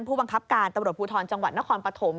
ผู้บังคับการตำรวจภูทรจังหวัดนครปฐม